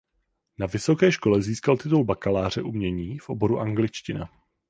Na vysoké škole získal titul bakaláře umění v oboru angličtina.